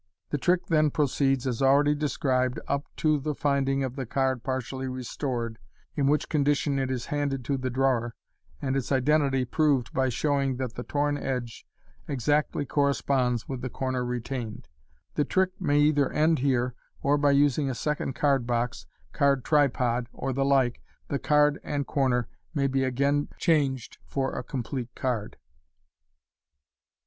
The trick then proceeds as already described up to the finding of the card partially restored, in which condition it is handed to the drawer, and its identity proved by showing that the torn edge exactly corresponds with the corner retained. The trick may either end here, or, by using a second card box, card tripod, or the like, the card and corner may be again changed for a complete card.